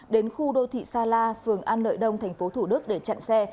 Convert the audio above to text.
đến khu đô thị sa la phường an lợi đông tp hcm để chặn xe